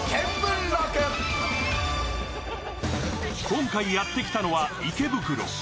今回やってきたのは池袋。